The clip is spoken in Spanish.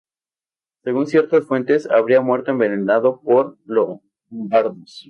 Según ciertas fuentes, habría muerto envenenado por lombardos.